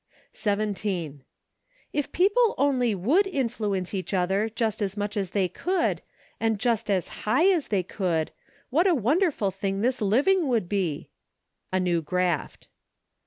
17. If people only would influence each other just as much as they could, and just as high as they could, what a wonderful thing this living would be ! A New Graft.